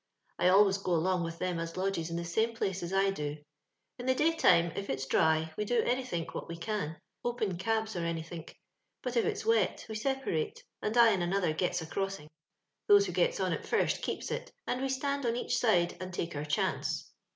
I always go along with tliem as lodges in the same place as I do. In the dovtime, if it's drj', we do onythink whot we can — open cobs, or any think; but if it's wet, we separate, and I and another gets a crossing — those who gets on it first, keeps it, — and we stand on each side and take our chance.